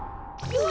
うわ！